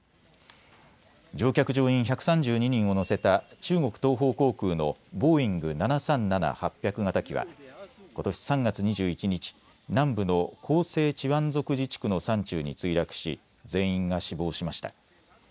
乗客乗員１３２人を乗せた中国東方航空のボーイング７３７−８００型機はことし３月２１日、南部の広西チワン族自治区の山中に墜落し全員が死亡しました。